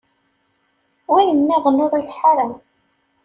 Win-nniḍen ur ileḥḥu ara.